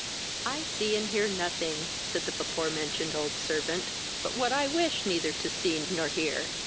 "I see and hear nothing, (said the before mentioned old servant,) but what I wish neither to see not hear.